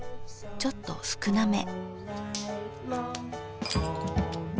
ちょっと少なめ。